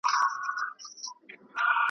د دښمن له فکر او مِکره ناپوهي ده .